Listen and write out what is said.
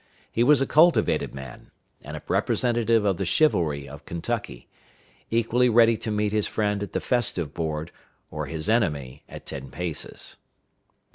He was a cultivated man, and a representative of the chivalry of Kentucky, equally ready to meet his friend at the festive board, or his enemy at ten paces.